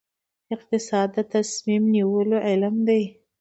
اقتصاد د تصمیم نیولو علم دی